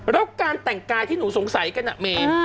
แล้วการแต่งกายที่หนูสงสัยกันอะเม